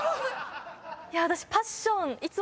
いや私。